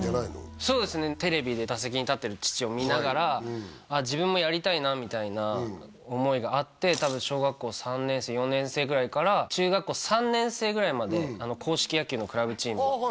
そうですねテレビで打席に立ってる父を見ながら自分もやりたいなみたいな思いがあって多分小学校３年生４年生ぐらいから中学校３年生ぐらいまで硬式野球のクラブチームにあ